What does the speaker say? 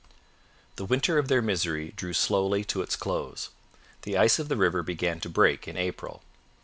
The winter of their misery drew slowly to its close. The ice of the river began to break in April.